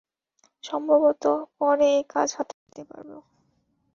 সম্ভবত পরে এ কাজ হাতে নিতে পারব।